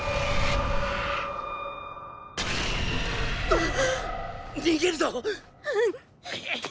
あっ⁉